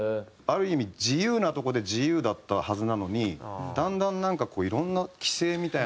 ある意味自由なとこで自由だったはずなのにだんだんなんかこういろんな規制みたいなのが。